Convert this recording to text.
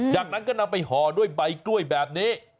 จากนั้นก็นำไปห่อด้วยใบกล้วยแบบนี้